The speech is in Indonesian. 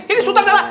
ini sultan darah